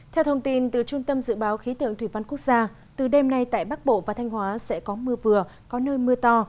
theo thông tin từ trung tâm dự báo khí tượng thủy văn quốc gia từ đêm nay tại bắc bộ và thanh hóa sẽ có mưa vừa có nơi mưa to